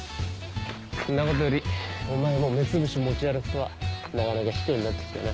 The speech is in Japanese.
んなことよりお前も目つぶし持ち歩くとはなかなか卑怯になって来たな。